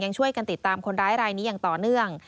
ช่วยกันติดตามคนร้ายรายนี้อย่างต่อเนื่อง